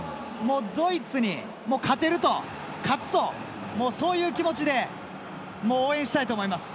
ドイツに勝てると勝つとそういう気持ちで応援したいと思います。